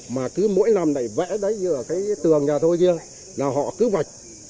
mà cứ mỗi năm này vẽ ở cái tường nhà thôi kia là họ cứ vạch